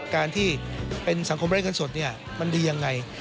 การที่เป็นสังคมเรียนขั้นสดมันดีอย่างไร